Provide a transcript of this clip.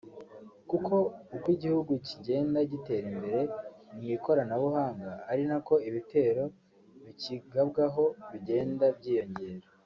kuko uko igihugu kigenda gitera imbere mu ikoranabuhanga ari nako ibitero bikigabwaho bigenda byiyongera